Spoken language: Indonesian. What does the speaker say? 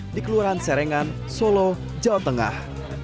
di kelurahan serengan solo jawa tengah